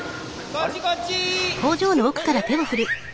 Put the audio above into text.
こっちこっち！